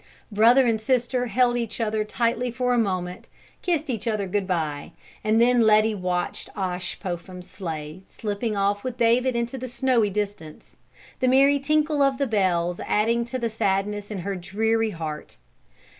Brother and sister held each other tightly for a moment, kissed each other good bye, and then Letty watched Osh Popham's sleigh slipping off with David into the snowy distance, the merry tinkle of the bells adding to the sadness in her dreary heart.